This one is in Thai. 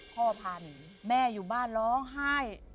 พาหนีแม่อยู่บ้านร้องไห้